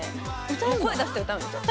もう声出して歌うんですよ。